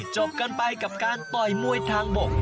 จบกันไปกับการต่อยมวยทางบก